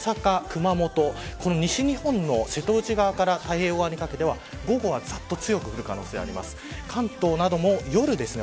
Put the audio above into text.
太平洋側は晴れ間がよく広がりますが大阪、熊本西日本の瀬戸内側から太平洋側にかけては午後はざっと強く降る可能性があります。